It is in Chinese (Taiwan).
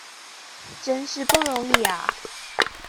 真是不容易啊！